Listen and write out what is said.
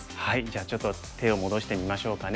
じゃあちょっと手を戻してみましょうかね。